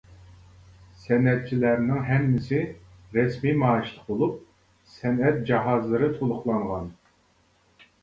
سەنئەتچىلەرنىڭ ھەممىسى رەسمىي مائاشلىق بولۇپ، سەنئەت جاھازلىرى تولۇقلانغان.